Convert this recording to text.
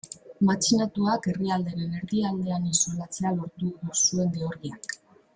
Matxinatuak herrialdearen erdialdean isolatzea lortu zuen Georgiak.